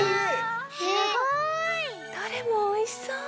すごい！どれもおいしそう！